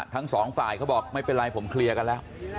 ทั้งสองฝ่ายเขาบอกไม่เป็นไรผมเคลียร์กันแล้ว